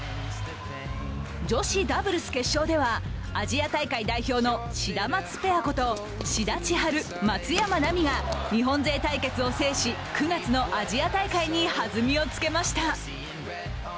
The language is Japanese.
女子ダブルス決勝ではアジア大会代表のシダマツペアこと志田千陽、松山奈未が日本勢対決を制し９月のアジア大会にはずみをつけました。